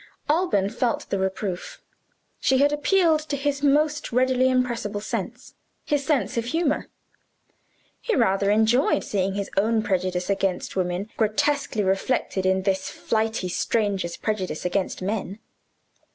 Alban felt the reproof; she had appealed to his most readily impressible sense his sense of humor. He rather enjoyed seeing his own prejudice against women grotesquely reflected in this flighty stranger's prejudice against men.